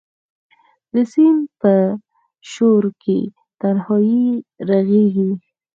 د سیند په شو رکې تنهایې ږغیږې